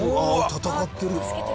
戦ってる。